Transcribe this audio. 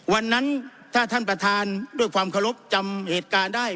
วันนั้นถ้าท่านประธานด้วยความเคารพจำเหตุการณ์ได้